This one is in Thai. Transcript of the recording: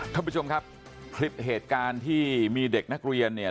ท่านผู้ชมครับคลิปเหตุการณ์ที่มีเด็กนักเรียนเนี่ย